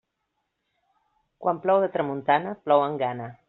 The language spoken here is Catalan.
Quan plou de tramuntana, plou amb gana.